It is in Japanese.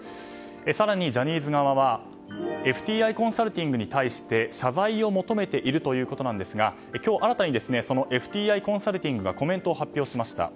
更に、ジャニーズ側はＦＴＩコンサルティングに対して謝罪を求めているということですが今日新たにＦＴＩコンサルティングがコメントを発表しました。